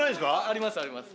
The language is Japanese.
ありますあります。